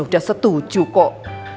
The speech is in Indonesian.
udah setuju kok